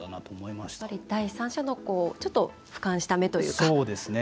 やっぱり第三者のちょっと、ふかんした目というか。